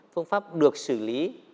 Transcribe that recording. phương pháp được xử lý